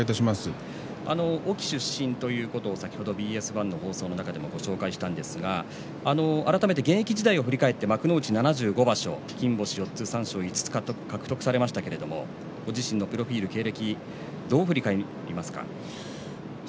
隠岐出身ということを先ほどＢＳ１の放送の中でご紹介したんですが改めて現役時代を振り返って幕内７５場所、金星４つ三賞を５回、獲得されましたがご自身のプロフィールどう振り返りますか？